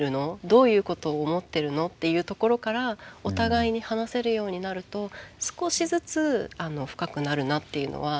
どういうことを思ってるの？」っていうところからお互いに話せるようになると少しずつ深くなるなっていうのは。